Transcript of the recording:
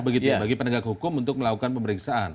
bagi penegak hukum untuk melakukan pemeriksaan